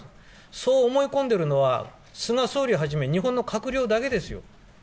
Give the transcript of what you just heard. そう思い込んでるのは、菅総理はじめ、日本の閣僚だけですよ。